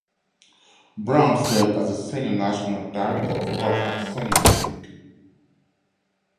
Brown served as the Senior National Director of Pop at Sony Music.